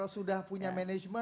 kalau sudah punya manajemen